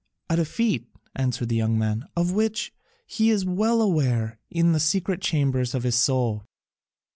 "A defeat," answered the young man, "of which he is well aware in the secret chambers of his soul.